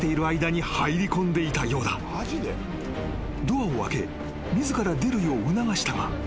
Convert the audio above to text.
［ドアを開け自ら出るよう促したが］